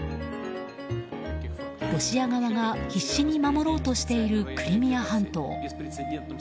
ロシア側が必死に守ろうとしているクリミア半島。